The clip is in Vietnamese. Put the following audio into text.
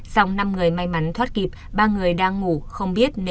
dòng năm người may mắn thoát kịp ba người đang ngủ không biết nên bị nạn